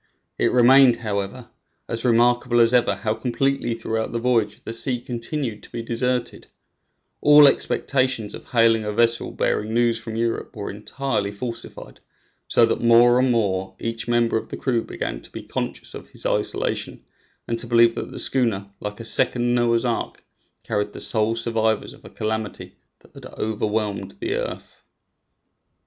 It remained, however, as remarkable as ever how completely throughout the voyage the sea continued to be deserted; all expectations of hailing a vessel bearing news from Europe were entirely falsified, so that more and more each member of the crew began to be conscious of his isolation, and to believe that the schooner, like a second Noah's ark, carried the sole survivors of a calamity that had overwhelmed the earth.